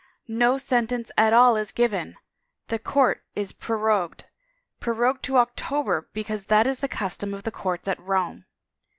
No sen tence at all is given — the court is prorogued — pro rogued to October because that is the custom of the courts at Rome